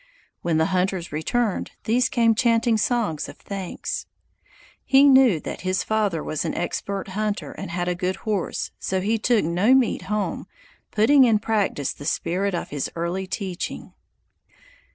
When the hunters returned, these came chanting songs of thanks. He knew that his father was an expert hunter and had a good horse, so he took no meat home, putting in practice the spirit of his early teaching.